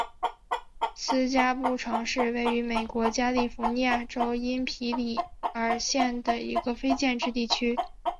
斯拉布城是位于美国加利福尼亚州因皮里尔县的一个非建制地区。